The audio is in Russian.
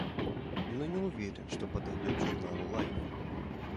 Но не уверен, что подойдет журналу «Лайф».